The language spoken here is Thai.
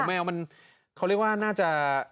อ้าวน่าจะ